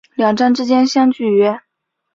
两站之间相距约。